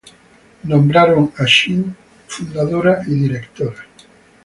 Shih fue nombrada fundadora y directora.